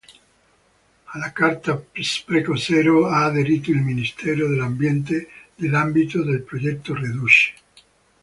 Alla "Carta spreco zero" ha aderito il Ministero dell'ambiente nell'ambito del progetto "Reduce".